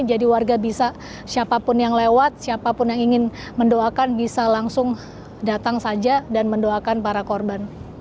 jadi warga bisa siapapun yang lewat siapapun yang ingin mendoakan bisa langsung datang saja dan mendoakan para korban